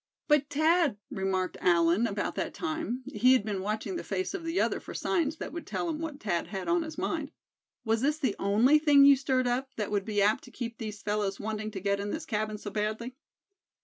"But Thad," remarked Allan, about that time,—he had been watching the face of the other for signs that would tell him what Thad had on his mind; "was this the only thing you stirred up, that would be apt to keep these fellows wanting to get in this cabin so badly?"